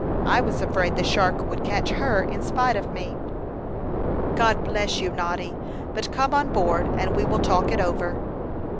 I was afraid the shark would catch her in spite of me." "God bless you, Noddy! But come on board, and we will talk it over."